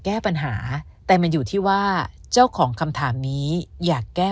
แก้ปัญหาแต่มันอยู่ที่ว่าเจ้าของคำถามนี้อยากแก้